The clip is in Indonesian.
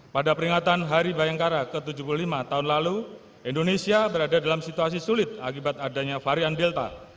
pada peringatan hari bayangkara ke tujuh puluh lima tahun lalu indonesia berada dalam situasi sulit akibat adanya varian delta